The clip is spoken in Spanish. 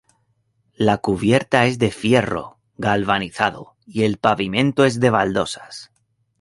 La cubierta es de fierro galvanizado y el pavimento es de baldosas.